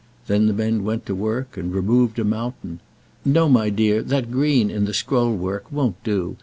Then the men went to work and removed a mountain. "No, my dear, that green in the scroll work won't do.